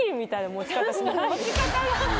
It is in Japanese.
持ち方